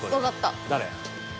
誰？